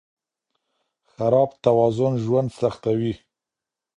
خراب توازن ژوند سختوي.